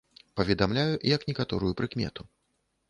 Паведамляю, як некаторую прыкмету.